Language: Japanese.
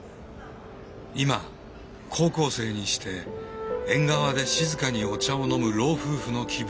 今高校生にして縁側で静かにお茶を飲む老夫婦の気分になっている。